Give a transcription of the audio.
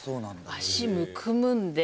足むくむんで。